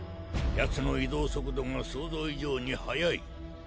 奴の移動速度が想像以上に速い。